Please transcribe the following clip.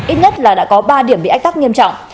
ít nhất là đã có ba điểm bị ách tắc nghiêm trọng